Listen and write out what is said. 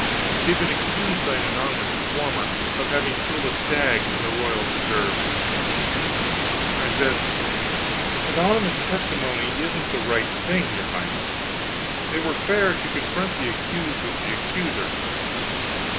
He had been accused by an anonymous informer, of having killed a stag in the royal preserves. I said: "Anonymous testimony isn't just the right thing, your Highness. It were fairer to confront the accused with the accuser."